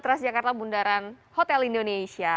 transjakarta bundaran hotel indonesia